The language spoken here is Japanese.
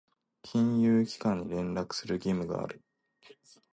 金融機関に連絡する義務がある。